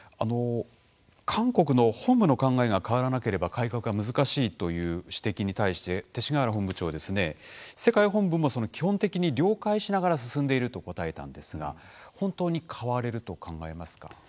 韓国の本部の考えが変わらなければ、改革が難しいという指摘に対し勅使河原本部長は世界本部も基本的に了解しながら進んでいると答えたんですが本当に変われると考えますか。